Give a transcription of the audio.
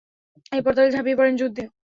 এরপর তারা ঝাঁপিয়ে পড়েন যুদ্ধে।